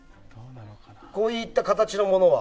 こういった形のものは？